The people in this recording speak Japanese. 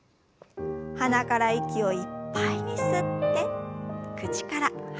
鼻から息をいっぱいに吸って口から吐きましょう。